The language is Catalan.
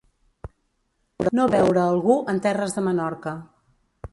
No veure algú en terres de Menorca.